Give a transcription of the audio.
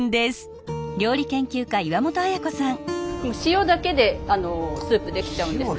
もう塩だけでスープ出来ちゃうんです。